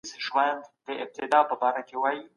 مسلکي کسانو نوي شیان کشفول.